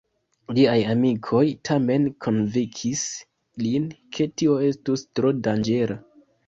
Liaj amikoj tamen konvinkis lin, ke tio estus tro danĝera.